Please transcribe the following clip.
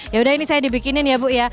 yaudah ini saya dibikinin ya bu ya